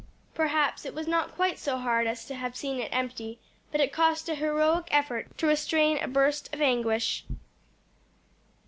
Perhaps it was not quite so hard as to have seen it empty, but it cost a heroic effort to restrain a burst of anguish.